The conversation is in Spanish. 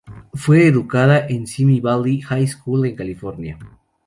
Fue educada en Simi Valley High School en California.